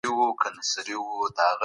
دا يو ګيلاس اوبه دي.